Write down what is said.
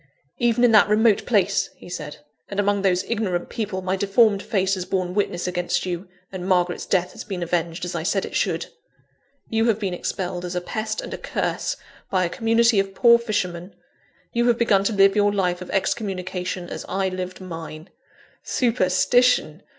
"Even in that remote place," he said, "and among those ignorant people, my deformed face has borne witness against you, and Margaret's death has been avenged, as I said it should. You have been expelled as a pest and a curse, by a community of poor fishermen; you have begun to live your life of excommunication, as I lived mine. Superstition!